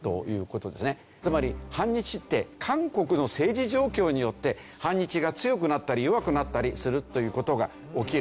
つまり反日って韓国の政治状況によって反日が強くなったり弱くなったりするという事が起きる。